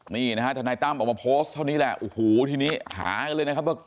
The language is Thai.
นี่นะฮะทนายตั้มออกมาโพสต์เท่านี้แหละโอ้โหทีนี้หากันเลยนะครับว่า